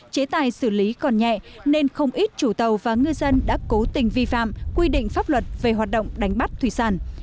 chế tài xử lý còn nhẹ nên không ít chủ tàu và ngư dân đã cố tình vi phạm quy định pháp luật về hoạt động đánh bắt thủy sản